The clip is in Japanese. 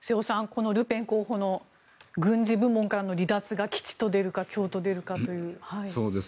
このルペン候補の軍事部門からの離脱が吉と出るか凶と出るかという。